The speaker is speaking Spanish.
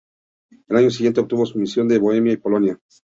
El año siguiente obtuvo la sumisión de Bohemia y Polonia.